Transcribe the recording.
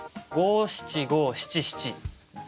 五七五七七。